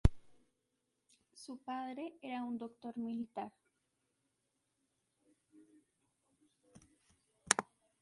Su padre era un doctor militar.